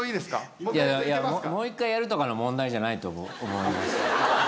もう１回やるとかの問題じゃないと思います。